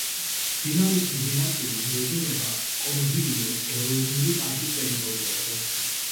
მდინარის დიდი ნაწილი მიედინება კონგილიოს ეროვნული პარკის ტერიტორიაზე.